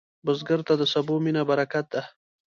بزګر ته د سبو مینه برکت ده